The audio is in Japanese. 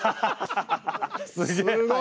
すげえ。